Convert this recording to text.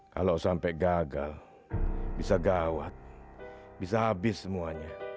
kalau sampai gagal bisa gawat bisa habis semuanya